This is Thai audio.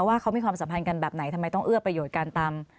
ว่าเขามีความสัมพันธ์กันแบบไหนทำไมต้องเอื้อประโยชน์กันตาม